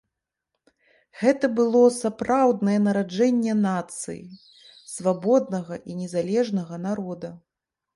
Гэта было сапраўднае нараджэнне нацыі, свабоднага і незалежнага народа.